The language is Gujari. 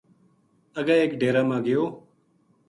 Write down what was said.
اگے ایک ڈیرا ما گیو